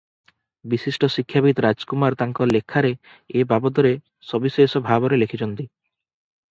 ବିଶିଷ୍ଟ ଶିକ୍ଷାବିତ୍ ରାଜ କୁମାର ତାଙ୍କ ଲେଖାରେ ଏ ବାବଦରେ ସବିଶେଷ ଭାବରେ ଲେଖିଛନ୍ତି ।